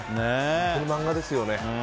本当に漫画ですよね。